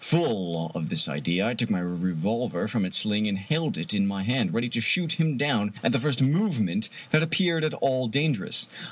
Full of this idea, I took my revolver from its sling and held it in my hand, ready to shoot him down at the first movement that appeared at all dangerous.